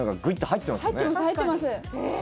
入ってます